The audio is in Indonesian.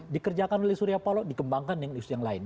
dikerjakan oleh surya paloh dikembangkan dengan isu yang lain